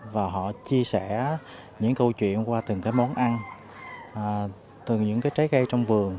và họ chia sẻ những câu chuyện qua từng cái món ăn từ những cái trái cây trong vườn